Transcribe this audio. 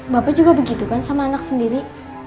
bapak juga begitu kan sama anak sendiri